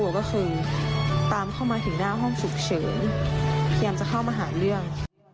พยายามจะเข้ามาหาเรื่อง